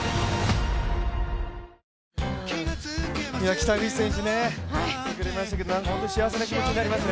北口選手来てくれましたけれども、本当に幸せな気持ちになりますね。